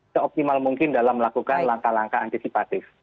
seoptimal mungkin dalam melakukan langkah langkah antisipatif